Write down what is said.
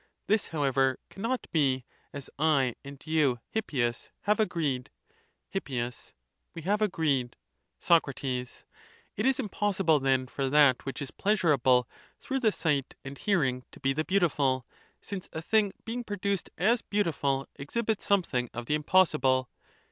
This however cannot be, as 1 and you, Hippias, have agreed. Hip. We have agreed. Soc. It is impossible then for that, which is pleasurable through the sight and hearing, to be the beautiful; since a thing being produced as beautiful exhibits something of the impossible.